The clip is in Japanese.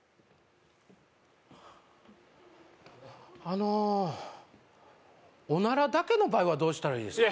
あのおならだけの場合はどうしたらいいですか？